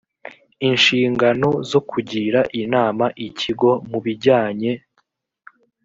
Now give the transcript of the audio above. inshingano zo kugira inama ikigo mu bijyanye